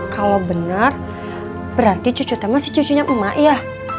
kalau benar berarti cucu teh masih cucunya emak ya